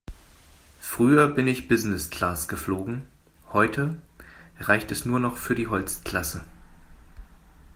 Früher bin ich Business-Class geflogen, heute reicht es nur noch für die Holzklasse.